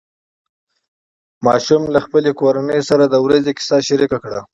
ماشوم له خپلې کورنۍ سره د ورځې کیسه شریکه کړه